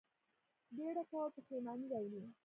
بیړه کول پښیماني راوړي